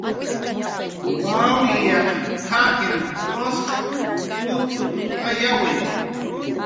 "Wawyaq t""akin t'usq putuptayawi"